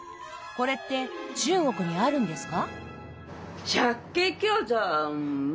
これって中国にあるんですか？